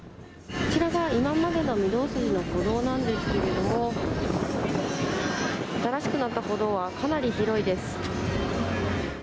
こちらが今までの御堂筋の歩道なんですけれども、新しくなった歩道はかなり広いです。